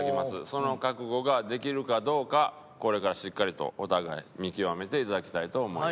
その覚悟ができるかどうかこれからしっかりとお互い見極めていただきたいと思います。